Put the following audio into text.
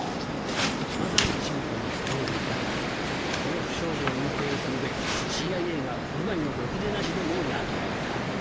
まさに陳腐なストーリーだがこの不祥事を隠ぺいするべくＣＩＡが部外のろくでなしどもを雇った。